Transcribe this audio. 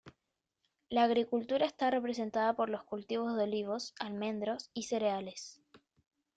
La agricultura está representada por los cultivos de olivos, almendros y cereales.